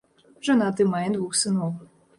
Жанаты, мае двух сыноў.